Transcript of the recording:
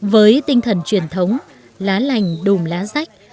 với tinh thần truyền thống lá lành đùm lá rách